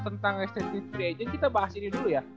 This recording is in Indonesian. tentang estetis pre agent kita bahas ini dulu ya